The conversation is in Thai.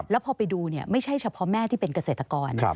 แล้วพอไปดูไม่ใช่เฉพาะแม่ที่เป็นเกษตรกร